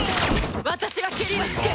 私がケリをつける！